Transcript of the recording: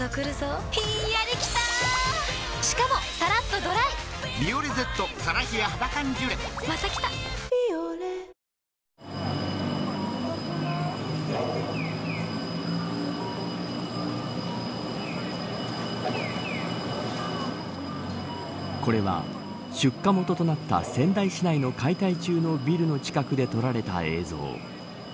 この大量の煙取材を進めるとこれは出火元となった仙台市内の解体中のビルの近くで撮られた映像。